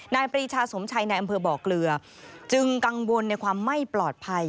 ปรีชาสมชัยในอำเภอบ่อเกลือจึงกังวลในความไม่ปลอดภัย